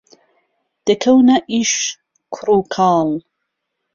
دەکەونە ئیش کوڕ و کاڵ